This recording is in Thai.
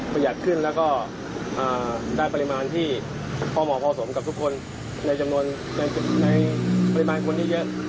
หยัดขึ้นแล้วก็ได้ปริมาณที่พอเหมาะพอสมกับทุกคนในจำนวนในปริมาณคนที่เยอะ